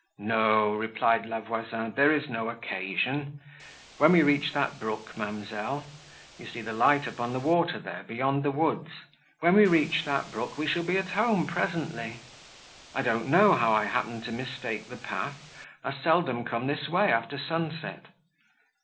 "No," replied La Voisin, "there is no occasion. When we reach that brook, ma'amselle, (you see the light upon the water there, beyond the woods) when we reach that brook, we shall be at home presently. I don't know how I happened to mistake the path; I seldom come this way after sunset."